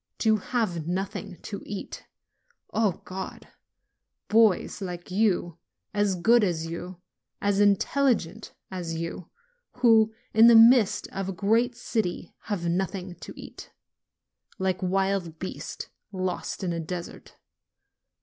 To have nothing to eat ! O God ! Boys like you, as good as you, as intelligent as you, who, in the midst of a great city, have nothing to eat, like wild beasts lost in a desert!